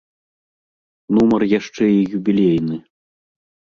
Нумар яшчэ і юбілейны.